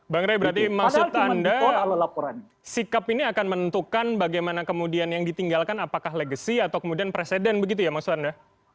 bang rey berarti maksud anda sikap ini akan menentukan bagaimana kemudian yang ditinggalkan apakah legacy atau kemudian presiden begitu ya maksud anda